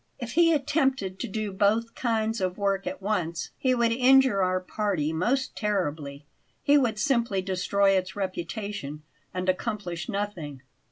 If he attempted to do both kinds of work at once he would injure our party most terribly; he would simply destroy its reputation and accomplish nothing.